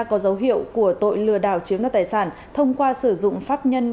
có dấu hiệu của tội lừa đảo chiếm đoạt tài sản thông qua sử dụng pháp nhân